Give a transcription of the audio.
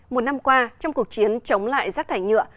một năm qua trong cuộc chiến chống lại rác thải nhựa